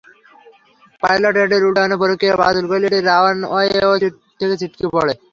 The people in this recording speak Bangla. পাইলট এটির উড্ডয়নের প্রক্রিয়া বাতিল করলে এটি রানওয়ে থেকে ছিটকে পড়ে।